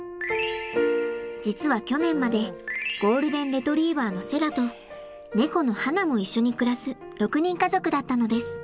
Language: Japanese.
実は去年までゴールデン・レトリーバーのセラと猫のはなも一緒に暮らす６人家族だったのです。